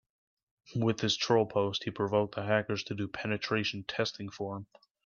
With his troll post he provoked the hackers to do penetration testing for him.